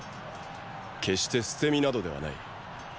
決して捨て身などではない。